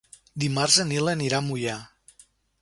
Dimarts en Nil anirà a Moià.